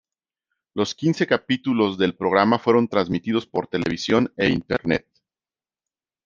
Los quince capítulos del programa fueron transmitidos por televisión e Internet.